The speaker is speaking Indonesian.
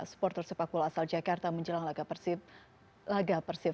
supporter sepakul asal jakarta menjelang laga persib